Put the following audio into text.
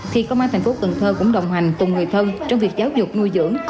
thì công an thành phố cần thơ cũng đồng hành cùng người thân trong việc giáo dục nuôi dưỡng